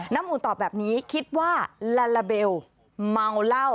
น้ำอุ่นตอบแบบนี้คิดว่าลาลาเบลเมาเหล้า